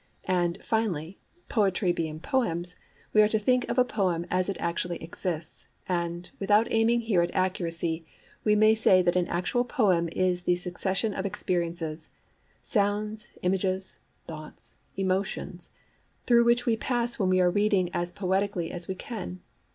And, finally, poetry being poems, we are to think of a poem as it actually exists; and, without aiming here at accuracy, we may say that an actual poem is the succession of experiences—sounds, images, thoughts, emotions—through which we pass when we are reading as poetically as we can.